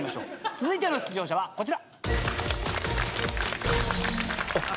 続いての出場者はこちら。